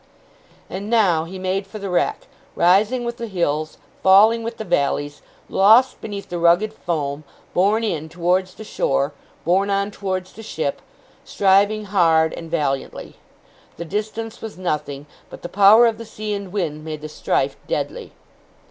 And now he made for the wreck, rising with the hills, falling with the valleys, lost beneath the rugged foam, borne in towards the shore, borne on towards the ship, striving hard and valiantly. The distance was nothing, but the power of the sea and wind made the strife deadly.